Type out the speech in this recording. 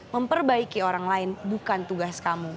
memperbaiki orang lain bukan tugas kamu